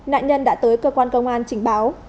nạn nhân đã tới cơ quan công an trình báo